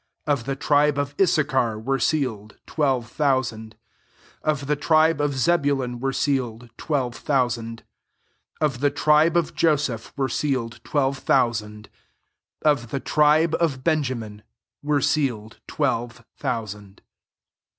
Of the tribe af Itsachar [were sealed] twelve ^ousand. 8 Of the tribe of Zebulon [were sealed} twelve thousand. Of the tribe of Jo seph {wer^ sealed] twelve thou 'sand. Of the tribe of Benjamih were' sealed twelve thousand.